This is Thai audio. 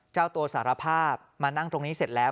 เจ้าตัวสารภาพมานั่งตรงนี้เสร็จแล้ว